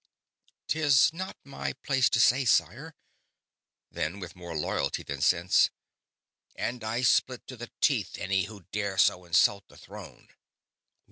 "'Tis not my place to say, sire." Then, with more loyalty than sense "And I split to the teeth any who dare so insult the Throne."